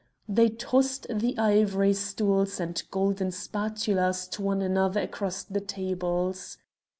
They tossed the ivory stools and golden spatulas to one another across the tables.